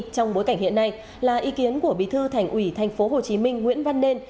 trong bối cảnh hiện nay là ý kiến của bí thư thành ủy tp hcm nguyễn văn nên